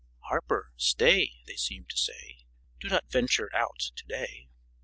"Harper, stay," they seemed to say, "Do not venture out to day."